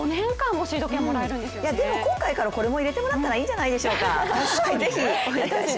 今回からこれも入れてもらったらいいんじゃないでしょうか。